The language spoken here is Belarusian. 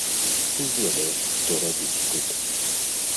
Ты ведаеш, што рабіць тут.